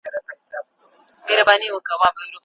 هغه کروندګر چي عصري وسايل کاروي ډيره ګټه ترلاسه کوي.